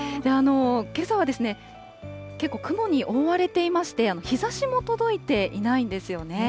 けさは結構、雲に覆われていまして、日ざしも届いていないんですよね。